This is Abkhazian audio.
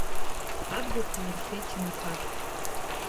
Абгақәа ирфеит џьмақәак.